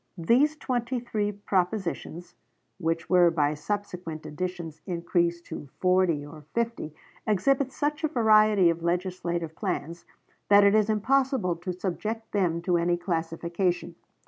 These twenty three propositions, which were by subsequent additions increased to forty or fifty, exhibit such a variety of legislative plans that it is impossible to subject them to any classification.